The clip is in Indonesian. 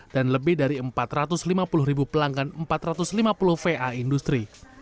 dan lebih dari empat ratus lima puluh ribu pelanggan empat ratus lima puluh va industri